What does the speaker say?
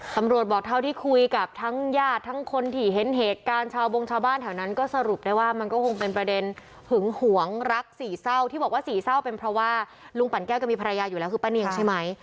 ตำรวจบอกเท่าที่คุยกับทั้งญาติทั้งคนที่เห็นเหตุการณ์ชาวบงชาวบ้านแถวนั้นก็สรุปได้ว่ามันก็คงเป็นประเด็นหึงหวงรักสี่เศร้าที่บอกว่าสี่เศร้าเป็นเพราะว่าลุงปั่นแก้วก็มีภรรยาอยู่แล้วคือป้าเนียงใช่ไหม